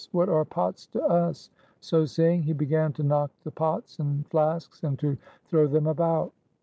What are pots to us?" So saying, he began to knock the pots and flasks, and to throw them about.